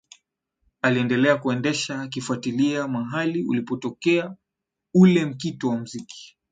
Aliendelea kuendesha akifuatilia mahali ulipotokea ule mkito wa muziki